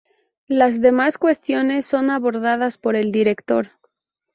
Las demás cuestiones son abordadas por el director.